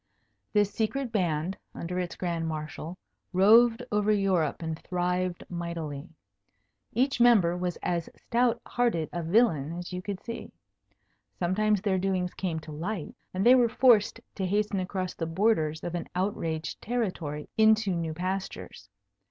This secret band, under its Grand Marshal, roved over Europe and thrived mightily. Each member was as stout hearted a villain as you could see. Sometimes their doings came to light, and they were forced to hasten across the borders of an outraged territory into new pastures.